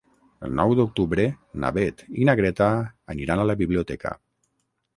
El nou d'octubre na Beth i na Greta aniran a la biblioteca.